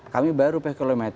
kami bayar rupiah km